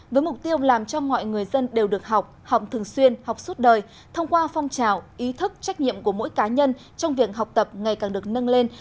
với mục tiêu làm cho mọi người dân đều được học học thường xuyên học suốt đời thông qua phong trào ý thức trách nhiệm của mỗi cá nhân trong việc học tập ngày càng được nâng lên